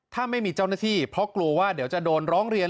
ถ้าไม่มีเจ้าหน้าที่เพราะกลัวว่าเดี๋ยวจะโดนร้องเรียน